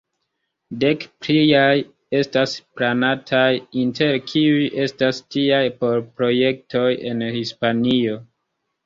Dek pliaj estas planataj, inter kiuj estas tiaj por projektoj en Hispanio.